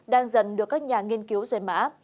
đang dần được các nhà nghiên cứu dây mã